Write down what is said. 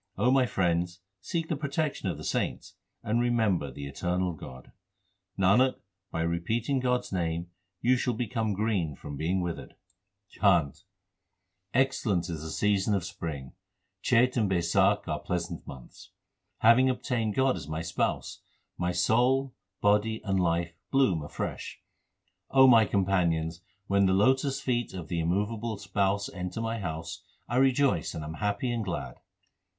O my friends, seek the protection of the saints and remember the eternal God. Nanak, by repeating God s name you shall become green fiom being withered. 408 THE SIKH RELIGION CHHANT Excellent is the season of spring ; Chet and Baisakh are pleasant months. Having obtained God as my Spouse, my soul, body, and life bloom afresh. my companions, when the lotus feet of the immovable Spouse enter my house, I rejoice and am happy and glad.